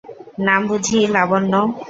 নাম বুঝি লাবণ্য?